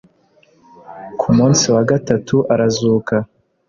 ku munsi wa gatatu arazuka